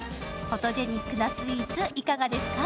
フォトジェニックなスイーツいかがですか。